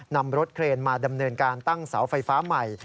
นำรถเครนมาดำเนินการตั้งเสาไฟฟ้าใหม่